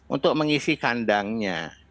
untuk mengisi kandangnya